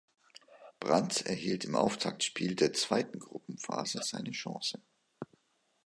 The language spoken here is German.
Brandts erhielt im Auftaktspiel der zweiten Gruppenphase seine Chance.